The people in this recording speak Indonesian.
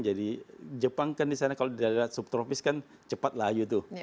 jadi jepang kan di sana kalau di daerah subtropis kan cepat layu tuh